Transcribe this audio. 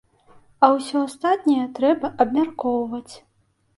А ўсё астатняе трэба абмяркоўваць.